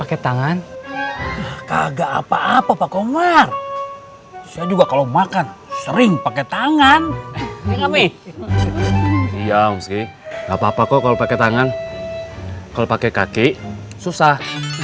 kan cuma bercanda maaf sih